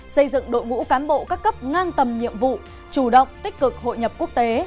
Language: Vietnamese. xây dựng đội ngũ cán bộ các cấp ngang tầm nhiệm vụ chủ động tích cực hội nhập quốc tế